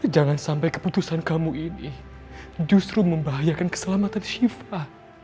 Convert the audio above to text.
jangan sampai keputusan kamu ini justru membahayakan keselamatan syifah